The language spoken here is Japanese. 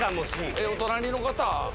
お隣の方。